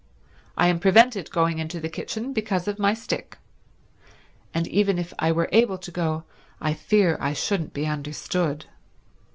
I am prevented going into the kitchen because of my stick. And even if I were able to go, I fear I shouldn't be understood."